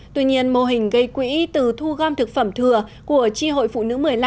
tuy nhiên mô hình gây quỹ từ thu gom thực phẩm thừa của chi hội phụ nữ một mươi năm